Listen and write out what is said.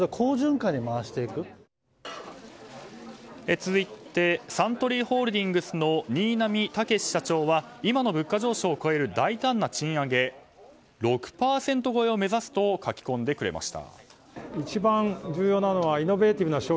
続いてサントリーホールディングスの新浪剛史社長は今の物価上昇を超える大胆な賃上げ６％超えを目指すと書き込んでくれました。